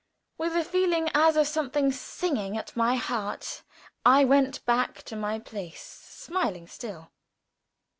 With a feeling as of something singing at my heart I went back to my place, smiling still.